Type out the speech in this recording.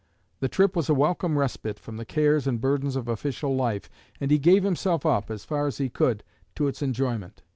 The trip was a welcome respite from the cares and burdens of official life, and he gave himself up, as far as he could, to its enjoyment.